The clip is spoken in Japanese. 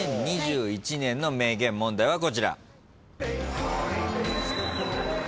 ２０２１年の名言問題はこちら。